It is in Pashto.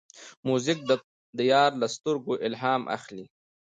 موزیک د یار له سترګو الهام اخلي.